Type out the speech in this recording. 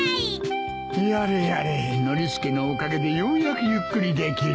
やれやれノリスケのおかげでようやくゆっくりできる。